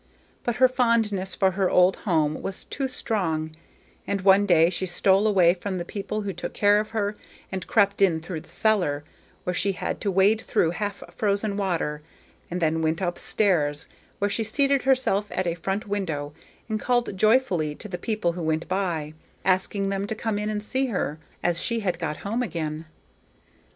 But her fondness for her old home was too strong, and one day she stole away from the people who took care of her, and crept in through the cellar, where she had to wade through half frozen water, and then went up stairs, where she seated herself at a front window and called joyfully to the people who went by, asking them to come in to see her, as she had got home again.